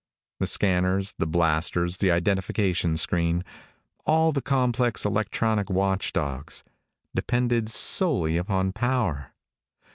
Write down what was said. The scanners, the blasters, the identification screen all the complex, electronic watchdogs depended solely upon power.